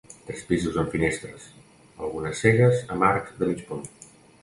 Tres pisos amb finestres, algunes cegues amb arcs de mig punt.